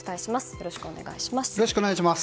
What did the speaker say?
よろしくお願いします。